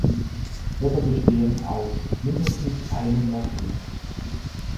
Wörter bestehen aus mindestens einem Morphem.